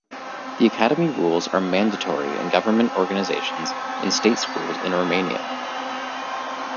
The Academy rules are mandatory in government organisations and in state schools in Romania.